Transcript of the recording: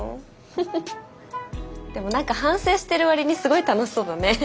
でも何か反省してる割にすごい楽しそうだね。